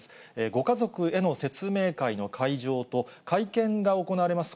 ご家族への説明会の会場と、会見が行われます